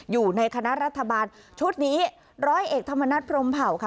อยู่ในคณะรัฐบาลชุดนี้ร้อยเอกธรรมนัฐพรมเผ่าค่ะ